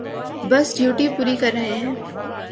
بس ڈیوٹی پوری کر رہے ہیں۔